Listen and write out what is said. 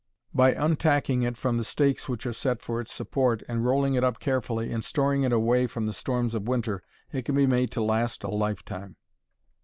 By untacking it from the stakes which are set for its support, and rolling it up carefully, and storing it away from the storms of winter, it can be made to last a lifetime.